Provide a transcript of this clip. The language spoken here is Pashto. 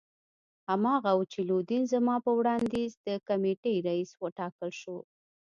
هماغه وو چې لودین زما په وړاندیز د کمېټې رییس وټاکل شو.